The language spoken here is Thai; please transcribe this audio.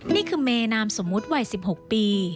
นี่คือเมนามสมมุติวัย๑๖ปี